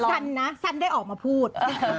สั้นนะฉันได้ออกมาพูด